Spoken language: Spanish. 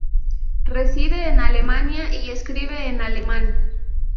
Reside en Alemania y escribe en alemán.